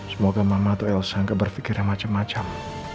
semoga mama atau elsa nggak berpikir macem macem